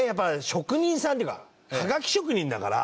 職人さんっていうかハガキ職人だから。